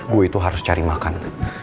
gue itu harus cari makan